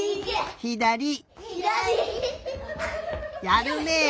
やるねえ。